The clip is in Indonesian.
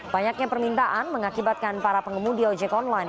banyaknya permintaan mengakibatkan para pengemudi ojek online